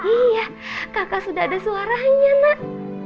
iya kakak sudah ada suaranya nak